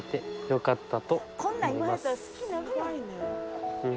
よかった。